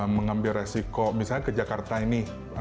mengambil resiko misalnya ke jakarta ini